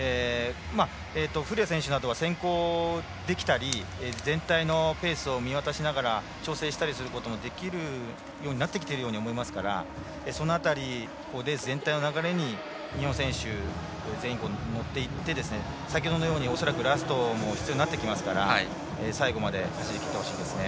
古屋選手などは先行できたり全体のペースを見渡しながら調整したりすることもできるようになってきていると思いますからその辺り、レース全体の流れに日本選手が全員乗っていって、先ほどのように恐らくラストも必要になってきますから最後まで走りきってほしいですね。